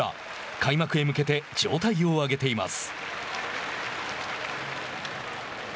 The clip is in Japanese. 開幕へ向けて状態を上げています。